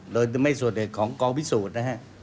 โดยไม่สูดเหตุของกองพิสูจน์นะครับ